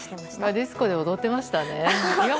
ディスコで踊ってましたね。